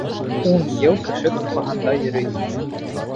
Ун йыл кеше тупһаһында йөрөйһөң.